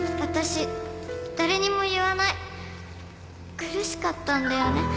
苦しかったんだよね